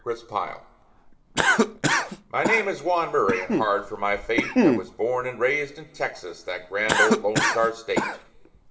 JUAN MURRAY My name is Juan Murray, and hard for my fate, I was born and raised in Texas, that good old lone star state.